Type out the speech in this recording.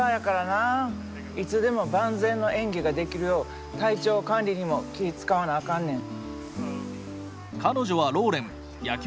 いつでも万全の演技ができるよう体調管理にも気ぃ遣わなあかんねん。